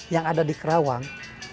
yang ada di karawang